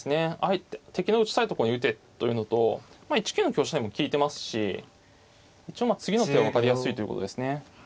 あえて「敵の打ちたいとこに打て」というのとまあ１九の香車にも利いてますし一応次の手は分かりやすいということですね。